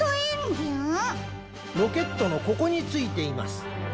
ロケットのここについています。